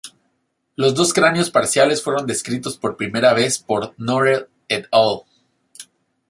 Los dos cráneos parciales fueron descritos por primera vez por Norell "et al.